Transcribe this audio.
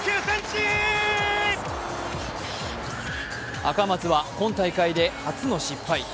赤松は今大会で初の失敗。